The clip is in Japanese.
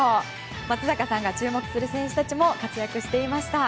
松坂さんが注目する選手たちも活躍していました。